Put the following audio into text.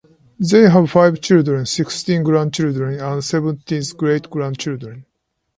They have five children, sixteen grandchildren and seventeen great grandchildren.